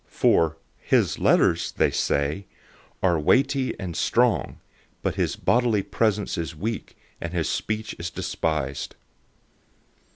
010:010 For, "His letters," they say, "are weighty and strong, but his bodily presence is weak, and his speech is despised."